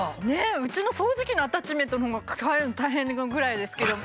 うちの掃除機のアタッチメントのほうが替えるの大変なぐらいですけど。